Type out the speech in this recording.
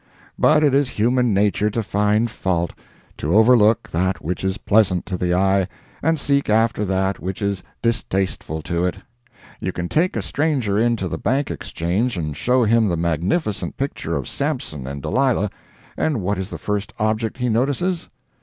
But it is human nature to find fault—to overlook that which is pleasant to the eye, and seek after that which is distasteful to it. You take a stranger into the Bank Exchange and show him the magnificent picture of Sampson and Delilah, and what is the first object he notices?